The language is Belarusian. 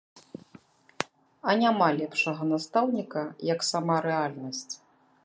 А няма лепшага настаўніка, як сама рэальнасць.